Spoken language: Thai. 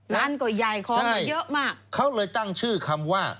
ร้านก็ใหญ่ของก็เยอะมากเขาเลยตั้งชื่อคำว่า